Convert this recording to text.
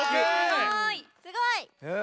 すごい！